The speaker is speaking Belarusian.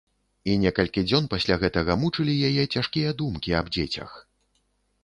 І некалькі дзён пасля гэтага мучылі яе цяжкія думкі аб дзецях.